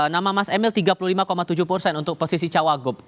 nama mas emil tiga puluh lima tujuh persen untuk posisi cawagup